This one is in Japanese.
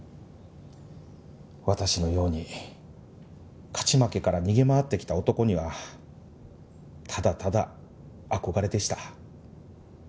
私のように勝ち負けから逃げ回ってきた男にはただただ憧れでした。